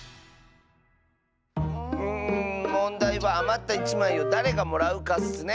うんもんだいはあまった１まいをだれがもらうかッスね。